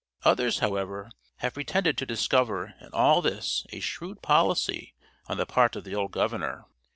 Others, however, have pretended to discover in all this a shrewd policy on the part of the old governor.